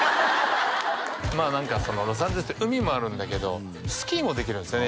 まあ何かロサンゼルスって海もあるんだけどスキーもできるんですよね